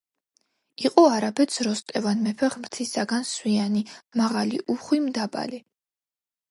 იყო არაბეთს როსტევან მეფე ღვრთისაგან სვიანი მაღალი უხვი მდაბალი